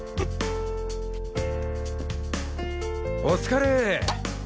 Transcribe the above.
お疲れ！